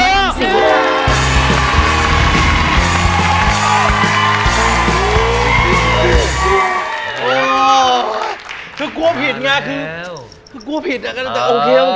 กลัวผิดโอเค